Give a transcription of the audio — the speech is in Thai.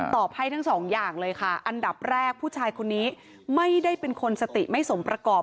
ตอบให้ทั้งสองอย่างเลยค่ะอันดับแรกผู้ชายคนนี้ไม่ได้เป็นคนสติไม่สมประกอบ